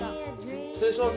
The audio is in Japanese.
失礼します。